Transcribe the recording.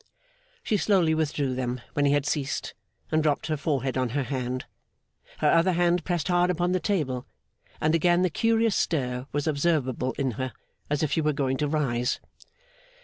She slowly withdrew them when he had ceased, and dropped her forehead on her hand. Her other hand pressed hard upon the table, and again the curious stir was observable in her, as if she were going to rise.